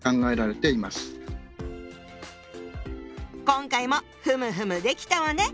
今回もふむふむできたわね！